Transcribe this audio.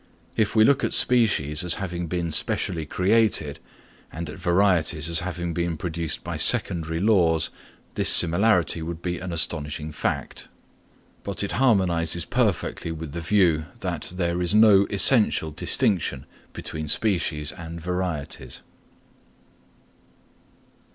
If we look at species as having been specially created, and at varieties as having been produced by secondary laws, this similarity would be an astonishing fact. But it harmonises perfectly with the view that there is no essential distinction between species and varieties.